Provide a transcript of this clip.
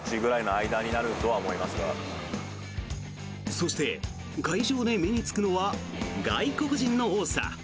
そして、会場で目につくのは外国人の多さ。